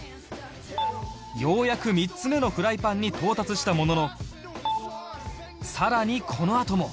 ようやく３つ目のフライパンに到達したものの更にこのあとも